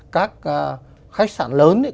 các khách sạn lớn ấy